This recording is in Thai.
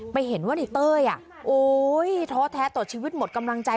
ไปเห็นว่าไหนเตยอ่ะโอ๊ยท้อแท้ต่อชีวิตหมดกำลังใจ